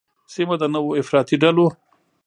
سیمه د نوو افراطي ډلو